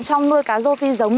trong nuôi cá rô phi giống